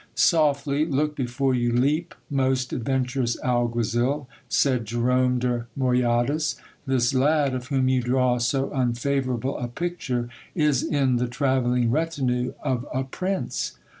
Softly, look before you leap, most adventurous alguazil, said Jerome de Moyadas ; this lad, of whom you draw so unfavourable a picture, is in the travelling retinue of a prince.